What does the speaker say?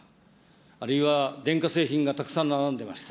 あるいは電化製品がたくさん並んでました。